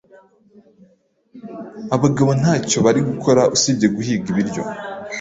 Abagabo ntacyo bari gukora usibye guhiga ibiryo.